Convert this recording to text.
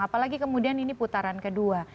apalagi kemudian ini putaran kedua